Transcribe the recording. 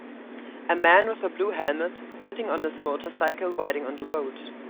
A man with a blue helmet sitting on his motorcycle riding on the road.